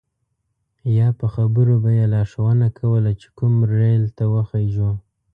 یا په خبرو به یې لارښوونه کوله چې کوم ریل ته وخیژو.